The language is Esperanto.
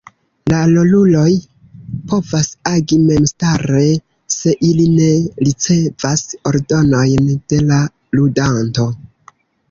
La roluloj povas agi memstare se ili ne ricevas ordonojn de la ludanto.